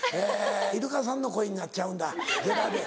イルカさんの声になっちゃうんだゲラで。